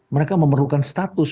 mereka memerlukan status